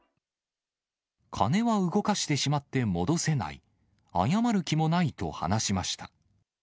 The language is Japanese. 金は動かしてしまって戻せない、謝る気もないと話しました。